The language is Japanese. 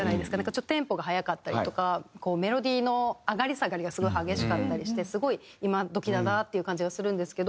ちょっとテンポが速かったりとかメロディーの上がり下がりがすごい激しかったりしてすごい今どきだなっていう感じがするんですけど。